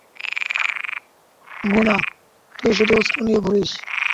গুনা, তুই শুধু অস্ত্র নিয়ে ঘুরিস।